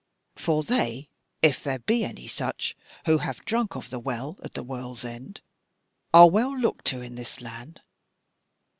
For they (if there be any such) who have drunk of the Well at the World's End are well looked to in this land.